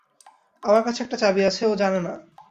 আমার কাছে একটা চাবি আছে, ও জানে না।